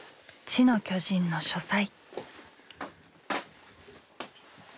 「知の巨人」の書斎。